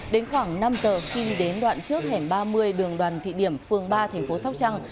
đến khoảng năm giờ khi đến đoạn trước hẻm ba mươi đường đoàn thị điểm phường ba thành phố sóc trăng